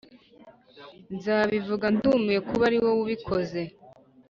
nzabivuga ndumiwe kuba ari wowe ubikoze